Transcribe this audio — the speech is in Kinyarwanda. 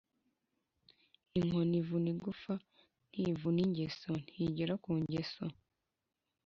Inkoni ivuna igufwa ntivuna ingeso ( ntigera ku ngeso).